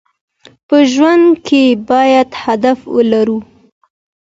په ژوند کې باید هدف ولرو.